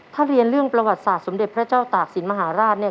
ถ้าเรียนเรื่องประวัติศาสตร์สมเด็จพระเจ้าตากศิลปมหาราชเนี่ย